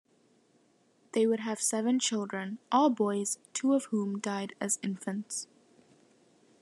They would have seven children, all boys, two of whom died as infants.